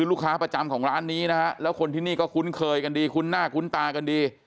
ลูกค้าประจำของร้านนี้นะฮะแล้วคนที่นี่ก็คุ้นเคยกันดีคุ้นหน้าคุ้นตากันดี